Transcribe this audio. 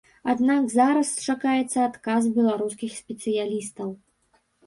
Аднак зараз чакаецца адказ беларускіх спецыялістаў.